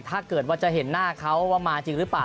ถ้าเกิดว่าจะเห็นหน้าเขาว่ามาจริงหรือเปล่า